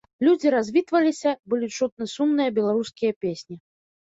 Людзі развітваліся, былі чутны сумныя беларускія песні.